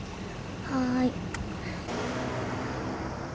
はい。